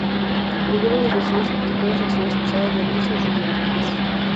Ninguno de sus hijos criticó las acciones pasadas de Luisa en sus memorias.